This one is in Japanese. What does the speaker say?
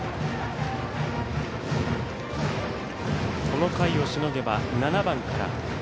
この回をしのげば、７番から。